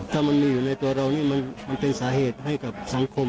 ถ้ามันมีอยู่ในตัวเรานี่มันเป็นสาเหตุให้กับสังคม